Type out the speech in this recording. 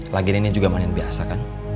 lagin ini juga mainin biasa kan